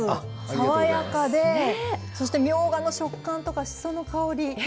爽やかで、そしてみょうがの食感とかしその香り。